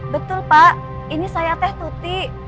betul pak ini saya teh putih